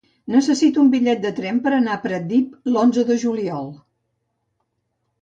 Necessito un bitllet de tren per anar a Pratdip l'onze de juliol.